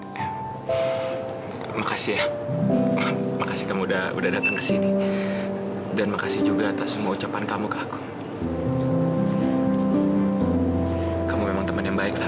terima kasih ya makasih kamu udah datang kesini dan makasih juga atas semua ucapan kamu ke aku kamu memang teman yang baik lah